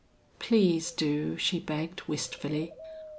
"Please do," she begged, wistfully.